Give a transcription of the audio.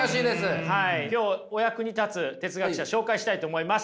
今日お役に立つ哲学者紹介したいと思います。